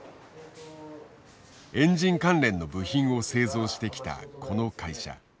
エンジン関連の部品を製造してきたこの会社。